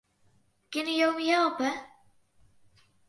Kinne jo my helpe?